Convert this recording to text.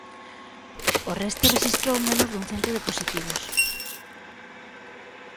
O resto rexistrou menos dun cento de positivos.